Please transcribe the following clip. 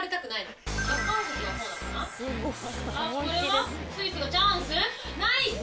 これは、スイスがチャンスナイス！